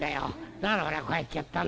だから俺はこうやってやったんだよ。